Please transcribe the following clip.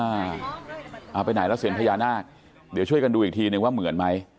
เอาไปไหนแล้วเสียงพญานาคเดี๋ยวช่วยกันดูอีกทีนึงว่าเหมือนไหม